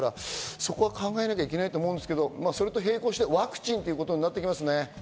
そこは考えなきゃいけないと思うんですけど、並行してワクチンとなってきますね。